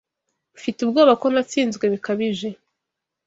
Mfite ubwoba ko natsinzwe bikabije.